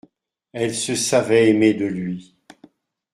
Elle se savait aimée de lui.